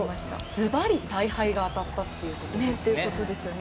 ずばり采配が当たったということですね。